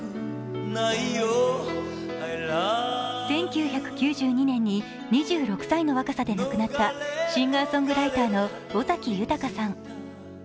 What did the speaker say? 更に１９９２年に２６歳の若さで亡くなったシンガーソングライターの尾崎豊さん。